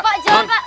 pak jangan pak